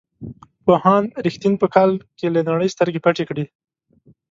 پوهاند رښتین په کال کې له نړۍ سترګې پټې کړې.